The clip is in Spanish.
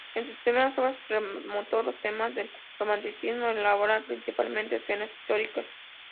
En sus primeras obras retomó los temas del romanticismo, al elaborar principalmente escenas históricas.